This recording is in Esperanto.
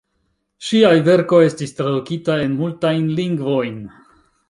Ŝiaj verkoj estis tradukitaj en multajn lingvojn.